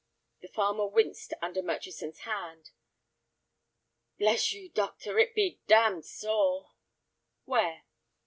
The farmer winced under Murchison's hand. "Bless you, doctor, it be damned sore!" "Where?"